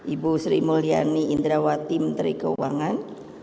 ibu sri mulyani indrawati menteri keuangan